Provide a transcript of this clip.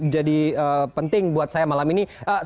jadi penting buat saya malam ini